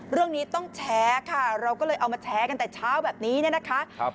เรื่องนี้ต้องแชร์ค่ะเราก็เลยเอามาแชร์กันแต่เช้าแบบนี้เนี่ยนะคะ